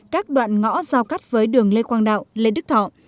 các đoạn ngõ giao cắt với đường lê quang đạo lê đức thọ